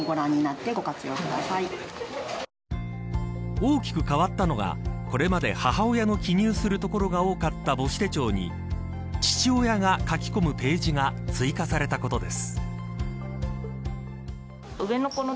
大きく変わったのはこれまで、母親の記入するところが多かった母子手帳に父親が書き込むページが追加されたことです。